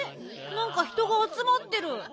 なんか人があつまってる。